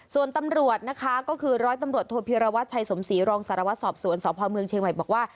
ส่วนตำรวจนะคะก็คือร้อยตำรวจโทพิรวัตรชัยสมศรีรองสารวัตรสอบสวนสพเมืองเชียงใหม่บอกว่า